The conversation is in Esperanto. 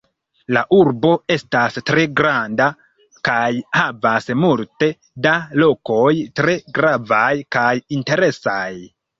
La urbo estas tre granda kaj havas multe da lokoj tre gravaj kaj interesaj.